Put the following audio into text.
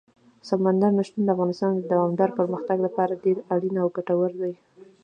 سمندر نه شتون د افغانستان د دوامداره پرمختګ لپاره ډېر اړین او ګټور دی.